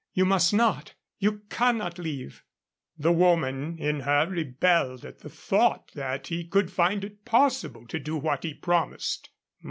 "You must not. You cannot leave " The woman in her rebelled at the thought that he could find it possible to do what he promised.